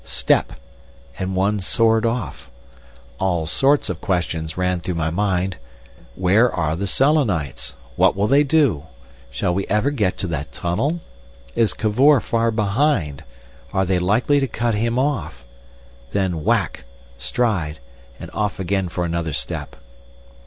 "Step," and one soared off! All sorts of questions ran through my mind: "Where are the Selenites? What will they do? Shall we ever get to that tunnel? Is Cavor far behind? Are they likely to cut him off?" Then whack, stride, and off again for another step.